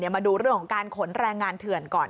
มาดูเรื่องของการขนแรงงานเถื่อนก่อน